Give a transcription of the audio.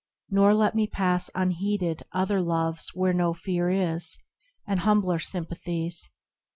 Nor let me pass unheeded other loves 34 THE RECLUSE Where no fear is, and humbler sympathies.